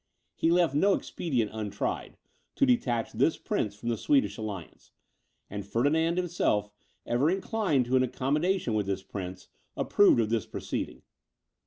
He left no expedient untried, to detach this prince from the Swedish alliance; and Ferdinand himself, ever inclined to an accommodation with this prince, approved of this proceeding.